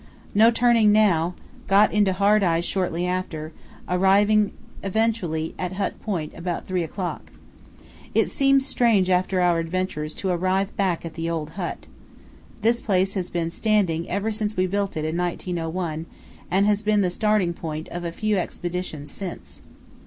No turning now; got into hard ice shortly after, eventually arriving at Hut Point about 3 o'clock. It seems strange after our adventures to arrive back at the old hut. This place has been standing since we built it in 1901, and has been the starting point of a few expeditions since.